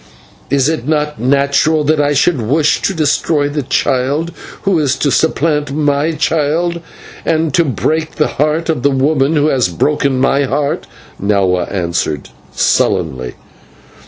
"Is it not natural that I should wish to destroy the child who is to supplant my child, and to break the heart of the woman who has broken my heart?" Nahua answered, sullenly.